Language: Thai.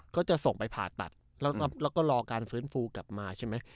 ก็จะส่งไปผ่าตัดแล้วก็รอการฟื้นฟูกลับมาใช่ไหม